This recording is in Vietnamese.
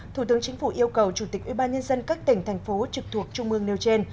thủ tướng chính phủ yêu cầu chủ tịch ubnd các tỉnh thành phố trực thuộc trung mương nêu trên